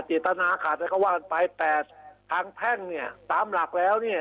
เจตนาขาดอะไรก็ว่ากันไปแต่ทางแพ่งเนี่ยตามหลักแล้วเนี่ย